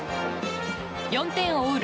４点を追う